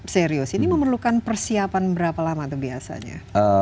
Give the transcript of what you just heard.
serius ini memerlukan persiapan berapa lama tuh biasanya